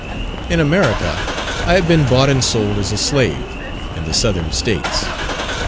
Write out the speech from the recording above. In America I had been bought and sold as a slave, in the Southern States.